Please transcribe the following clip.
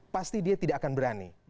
pasti dia tidak akan berani